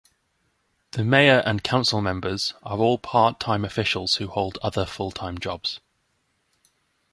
The Mayor and Council Members are all part-time officials who hold other full-time jobs.